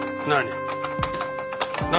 何？